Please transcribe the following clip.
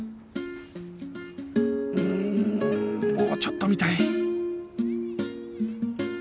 うーんもうちょっと見たい